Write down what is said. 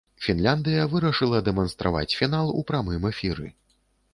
Фінляндыя вырашыла дэманстраваць фінал у прамым эфіры.